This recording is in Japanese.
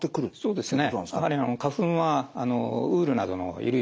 そうですね。